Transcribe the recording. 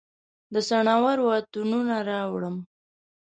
د څنورو اتڼوڼه راوړم